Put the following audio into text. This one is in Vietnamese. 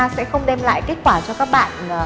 sẽ không đem lại kết quả cho các bạn